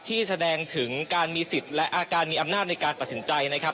แสดงถึงการมีสิทธิ์และการมีอำนาจในการตัดสินใจนะครับ